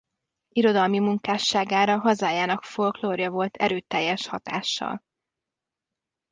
Irodalmi munkásságára hazájának folklórja volt erőteljes hatással.